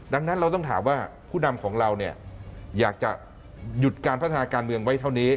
ดังนั้นเราต้องถามว่าผู้นำของเราเนี่ยอยากจะหยุดการพัฒนาการเมืองไว้เท่านี้